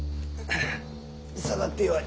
下がってよい。